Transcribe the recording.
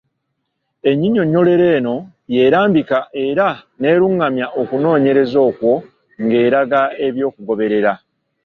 Ennyinyonnyolero eno y’erambika era n’erungamya okunoonyereza okwo ng’eraga ebyokugoberera.